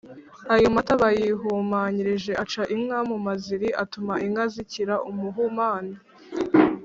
ayo mata bayihumanyije aca inka mo amaziri: atuma inka zikira ubuhumane